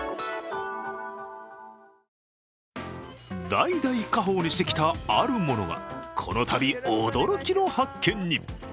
代々、家宝にしてきたあるものがこのたび、驚きの発見に。